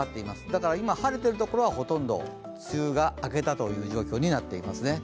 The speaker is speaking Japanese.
だから今、晴れているところは、ほとんど梅雨が明けた状況になっていますね。